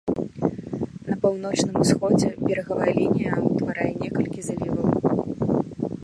На паўночным усходзе берагавая лінія ўтварае некалькі заліваў.